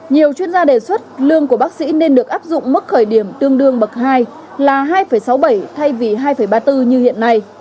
nhiều chuyên gia đề xuất lương của bác sĩ nên được áp dụng mức khởi điểm tương đương bậc hai là hai sáu mươi bảy thay vì hai ba mươi bốn như hiện nay